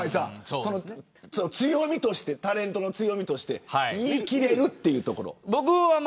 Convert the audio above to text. タレントの強みとして言い切れるというところ。